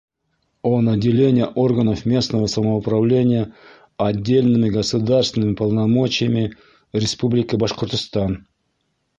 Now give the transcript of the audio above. «О наделении органов местного самоуправления отдельными государственными полномочиями Республики Башкортостан»